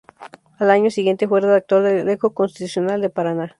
Al año siguiente fue redactor de El Eco Constitucional del Paraná.